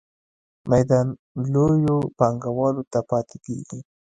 میدان لویو پانګوالو ته پاتې کیږي.